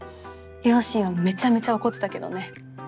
両親はめちゃめちゃ怒ってたけどね。